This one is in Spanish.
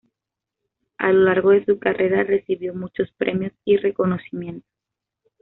A lo largo de su carrera recibió muchos premios y reconocimientos.